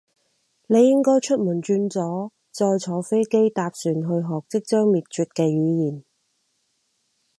你應該出門轉左，再坐飛機，搭船去學即將滅絕嘅語言